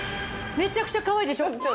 めちゃくちゃかわいいでしょ？